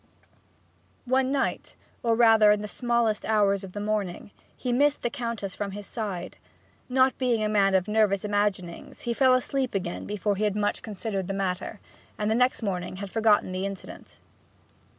One night, or rather in the smallest hours of the morning, he missed the Countess from his side. Not being a man of nervous imaginings he fell asleep again before he had much considered the matter, and the next morning had forgotten the incident.